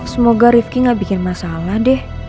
semoga rifki gak bikin masalah deh